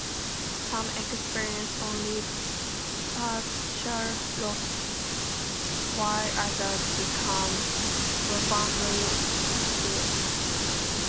Some experience only partial loss, while others become profoundly deaf.